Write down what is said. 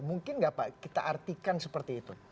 mungkin nggak pak kita artikan seperti itu